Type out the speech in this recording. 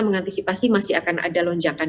mengantisipasi masih akan ada lonjakan